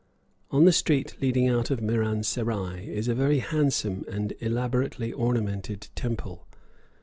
On the street leading out of Miran Serai is a very handsome and elaborately ornamented temple.